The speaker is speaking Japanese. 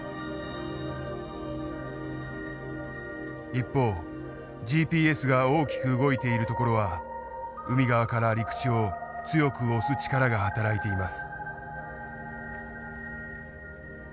一方ＧＰＳが大きく動いている所は海側から陸地を強く押す力が働いています。